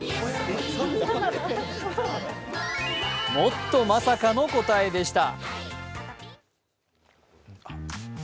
もっとまさかの答えでした。